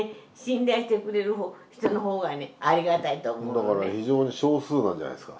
だから非常に少数なんじゃないんですか？